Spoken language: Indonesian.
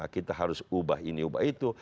kita harus ubah ini ubah itu